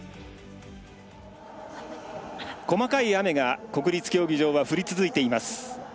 細かい雨が国立競技場は降り続いています。